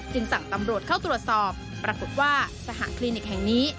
สั่งตำรวจเข้าตรวจสอบปรากฏว่าสหคลินิกแห่งนี้